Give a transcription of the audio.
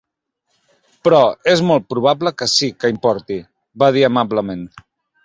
"Però és molt probable que sí que importi", va dir amablement.